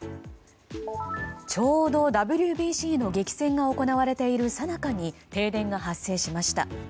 ちょうどＷＢＣの激戦が行われているさなかに停電が発生しました。